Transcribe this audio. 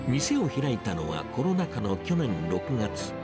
店を開いたのはコロナ禍の去年６月。